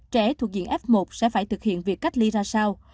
trẻ thuộc diện f một sẽ phải thực hiện việc cách ly ra sao